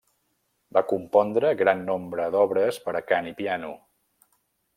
Va compondre gran nombre d'obres per a cant i piano.